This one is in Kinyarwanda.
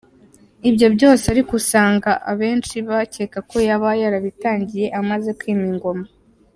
Ibyo byose ariko usanga abenshi bakeka ko yaba yarabitangiye amaze kwima ingoma.